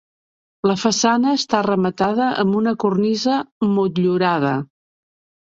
La façana està rematada amb una cornisa motllurada.